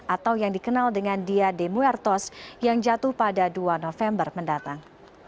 atau yang dikenal dengan dia demuertos yang jatuh pada dua november mendatang